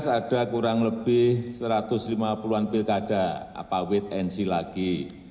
dua ribu lima belas ada kurang lebih satu ratus lima puluh an pilkada apa wedensi lagi